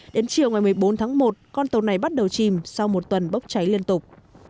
đến chiều ngày một mươi bốn tháng một con tàu này bắt đầu chìm sau một tuần bốc cháy liên tục